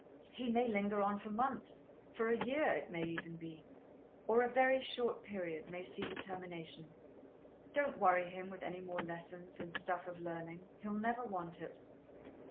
"He may linger on for months; for a year, it may even be; or a very short period may see the termination. Don't worry him with any more lessons and stuff of learning; he'll never want it."